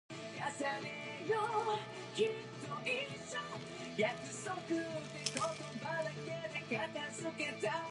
Tomokomai has a humid continental climate typical of Hokkaido.